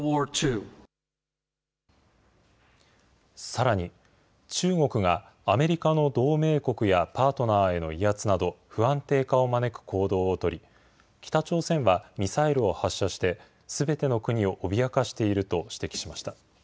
さらに、中国がアメリカの同盟国やパートナーへの威圧など、不安定化を招く行動を取り、北朝鮮はミサイルを発射して、すべての国を脅かしていると指摘しました。